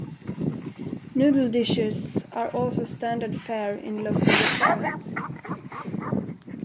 Noodle dishes are also standard fare in local restaurants.